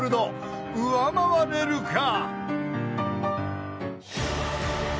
［上回れるか？］